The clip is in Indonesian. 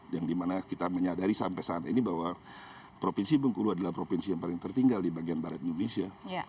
yang dimana kita menyadari sampai saat ini bahwa provinsi bengkulu adalah provinsi yang paling tertinggal di bagian barat indonesia